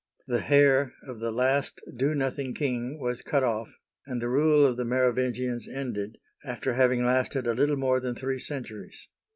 The hair of the last "do nothing king " was cut off, and the rule of the Merovingians ended, after having lasted a little more than three centuries.